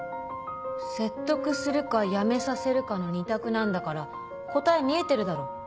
説得するか辞めさせるかの二択なんだから答え見えてるだろ。